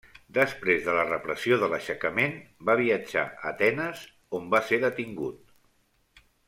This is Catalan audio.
Després de la repressió de l'aixecament, va viatjar a Atenes, on va ser detingut.